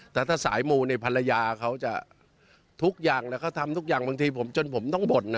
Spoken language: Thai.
แต่ถ้าสายมูเนี่ยภรรยาเขาจะทุกอย่างแล้วเขาทำทุกอย่างบางทีผมจนผมต้องบ่นนะ